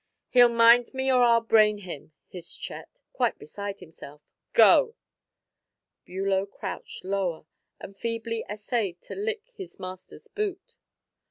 "He'll mind me or I'll brain him," hissed Chet, quite beside himself. "Go!" Bulow crouched lower and feebly essayed to lick his master's boot.